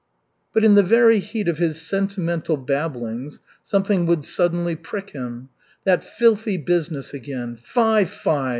But in the very heat of his sentimental babblings, something would suddenly prick him. That filthy business again. Fi, fi!